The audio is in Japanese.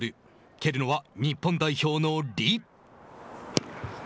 蹴るのは日本代表の李。